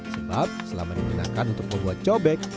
sebab selama digunakan untuk membuat cobek